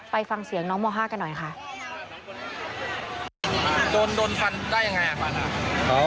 ไปฟังเสียงน้องม๕กันหน่อยค่ะ